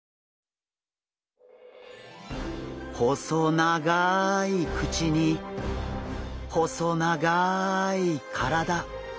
細長い口に細長い体。